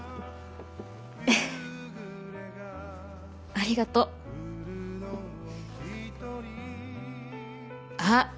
ありがとう。あっ！